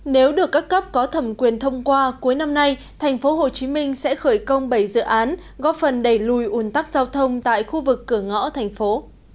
nếu được các cấp có thẩm quyền thông qua cuối năm nay thành phố hồ chí minh sẽ khởi công bảy dự án góp phần đẩy lùi ủn tắc giao thông tại khu vực cửa ngõ thành phố